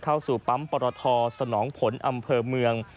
เข้าสู่ปั๊มปรทสนองผลอำเภอเมือง